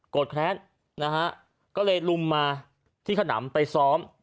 โกรธแคร้นก็เลยลุมมาที่ขนำไปซ้อม